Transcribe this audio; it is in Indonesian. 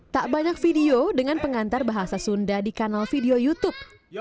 tak banyak video dengan pengantar bahasa sunda di kanal video youtube